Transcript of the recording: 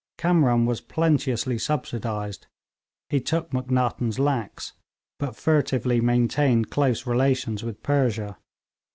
Kamran was plenteously subsidised; he took Macnaghten's lakhs, but furtively maintained close relations with Persia.